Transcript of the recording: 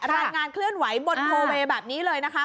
รายงานเคลื่อนไหวบนโทเวย์แบบนี้เลยนะคะ